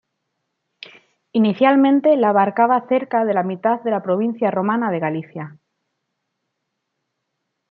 Inicialmente la abarcaba cerca de la mitad de la provincia romana de Galicia.